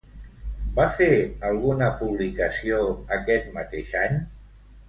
Va fer alguna publicació aquest mateix any?